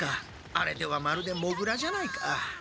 あれではまるでモグラじゃないか。